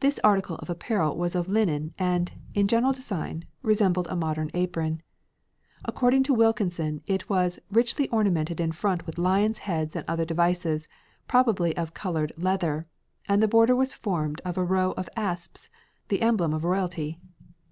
This article of apparel was of linen and, in general design, resembled a modern apron. According to Wilkinson, it was "richly ornamented in front with lions' heads and other devices, probably of coloured leather; and the border was formed of a row of asps, the emblem of royalty.